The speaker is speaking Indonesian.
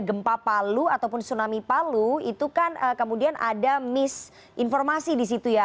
gempa palu ataupun tsunami palu itu kan kemudian ada misinformasi di situ ya